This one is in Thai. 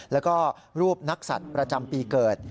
แล้วก็รูปนักสัตว์ประจำปีเกิด